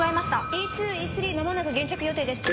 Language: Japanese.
Ｅ２Ｅ３間もなく現着予定です。